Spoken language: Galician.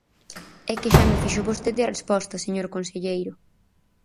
É que xa me fixo vostede a resposta, señor conselleiro.